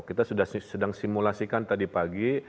kita sudah sedang simulasikan tadi pagi